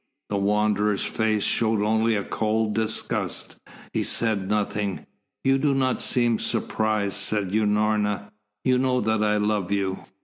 The Wanderer's face showed only a cold disgust. He said nothing. "You do not seem surprised," said Unorna. "You know that I love you?"